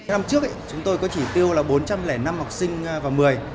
năm trước chúng tôi có chỉ tiêu là bốn trăm linh năm học sinh vào một mươi